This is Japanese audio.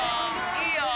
いいよー！